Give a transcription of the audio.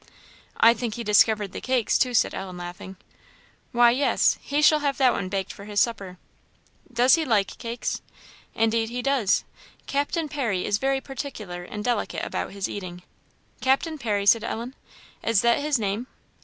"I think he discovered the cakes too," said Ellen, laughing. "Why, yes. He shall have that one baked for his supper." "Does he like cakes?" "Indeed he does. Captain Parry is very particular and delicate about his eating." "Captain Parry!" said Ellen, "is that his name?"